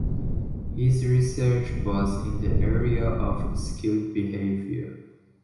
His research was in the area of skilled behaviour.